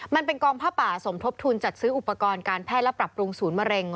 มันเป็นกองผ้าป่าสมทบทุนจัดซื้ออุปกรณ์การแพทย์และปรับปรุงศูนย์มะเร็ง